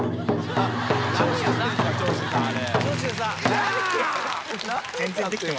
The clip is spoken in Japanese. あれ。